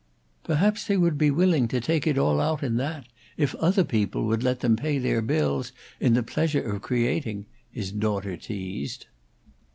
"Perhaps they would be willing to take it all oat in that if othah people would let them pay their bills in the pleasure of creating," his daughter teased.